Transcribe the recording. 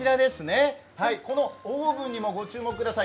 このオーブンにもご注目ください。